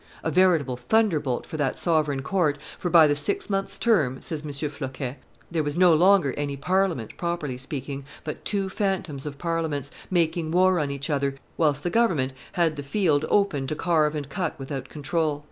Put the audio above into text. "A veritable thunderbolt for that sovereign court, for by the six months' term," says M. Floquet, "there was no longer any Parliament, properly speaking, but two phantoms of Parliament, making war on each other, whilst the government had the field open to carve and cut without control."